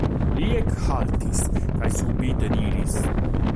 Li ekhaltis kaj subite diris: